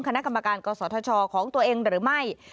คณะกรรมการกศธชของตัวเองหรือไม่